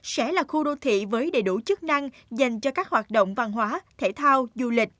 sẽ là khu đô thị với đầy đủ chức năng dành cho các hoạt động văn hóa thể thao du lịch